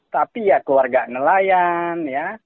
tapi ya keluarga nelayan ya